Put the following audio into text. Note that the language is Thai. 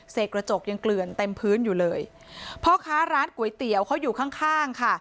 กระจกยังเกลื่อนเต็มพื้นอยู่เลยพ่อค้าร้านก๋วยเตี๋ยวเขาอยู่ข้างข้างค่ะ